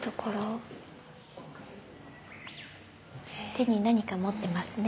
手に何か持ってますね。